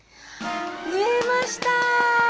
縫えました！